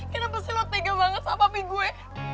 kenapa sih lo tega banget sama ping gue